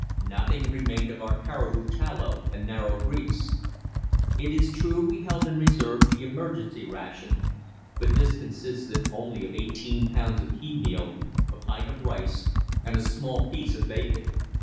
Nothing remained of our caribou tallow and marrow grease. It is true we held in reserve the "emergency ration"; but this consisted only of eighteen pounds of pea meal, a pint of rice, and a small piece of bacon.